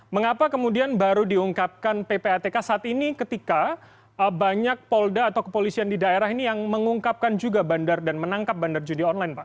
mengapa kemudian baru diungkapkan ppatk saat ini ketika banyak polda atau kepolisian di daerah ini yang mengungkapkan juga bandar dan menangkap bandar judi online pak